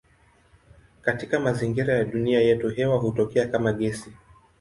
Katika mazingira ya dunia yetu hewa hutokea kama gesi.